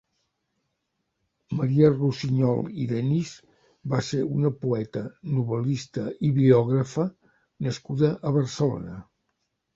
Maria Rusiñol i Denís va ser una poeta, novel·lista i biògrafa nascuda a Barcelona.